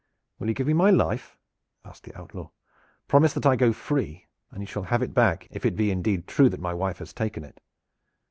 "Will you give me my life?" asked the outlaw. "Promise that I go free, and you shall have it back, if it be indeed true that my wife has taken it."